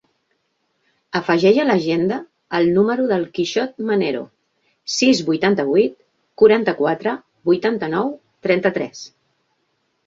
Afegeix a l'agenda el número del Quixot Manero: sis, vuitanta-vuit, quaranta-quatre, vuitanta-nou, trenta-tres.